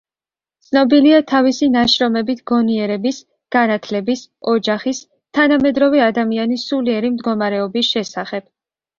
ცნობილია თავისი ნაშრომებით გონიერების, განათლების, ოჯახის, თანამედროვე ადამიანის სულიერი მდგომარეობის შესახებ.